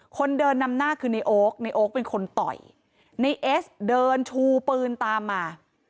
คนเดินนำหน้าคือในโอ๊คในโอ๊คเป็นคนต่อยในเอสเดินชูปืนตามมา